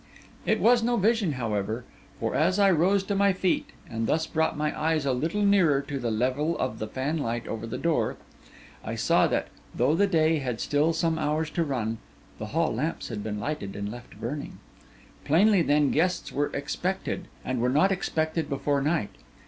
It was no vision, however; for, as I rose to my feet, and thus brought my eyes a little nearer to the level of the fanlight over the door, I saw that, though the day had still some hours to run, the hall lamps had been lighted and left burning. Plainly, then, guests were expected, and were not expected before night.